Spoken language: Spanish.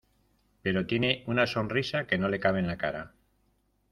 pero tiene una sonrisa que no le cabe en la cara.